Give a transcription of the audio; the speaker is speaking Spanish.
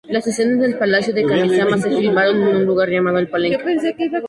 Las escenas del palacio de Kamisama se filmaron en un lugar llamado El Palenque.